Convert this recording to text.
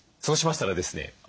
そうしましたらですね